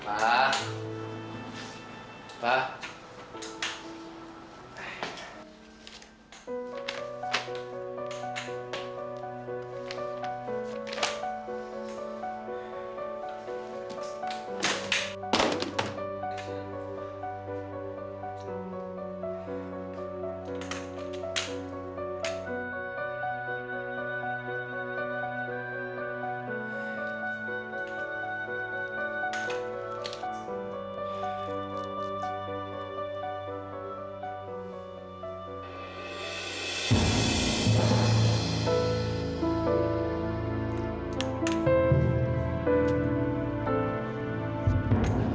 aku akan menang diri